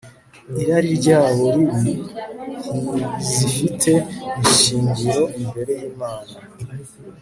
irari ryabo ribi ntizifite ishingiro imbere yImana